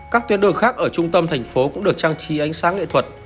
các tuyến đường khác ở trung tâm thành phố cũng được trang trí ánh sáng nghệ thuật